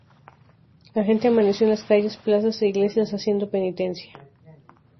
La gente amaneció en las calles, plazas e iglesias haciendo penitencia.